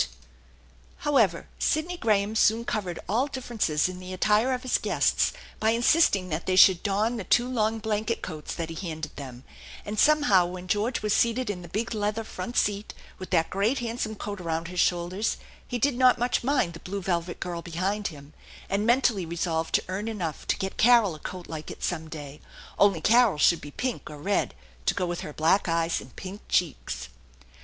66 THE ENCHANTED BARN However, Sidney Graham soon covered all differences ii* the attire of his guests by insisting that they should don the two long blanket coats that he handed them; and somehow when George was seated in the big leather front seat, with that great handsome coat around his shoulders, he did not much mind the blue velvet girl behind him, and mentally resolved to earn eitoagh to get Carol a coat like it some day ; only Carol's should be pink or red to go with her black eyes and pink cheeks.